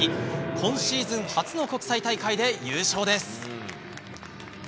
今シーズン初の国際大会で優勝です。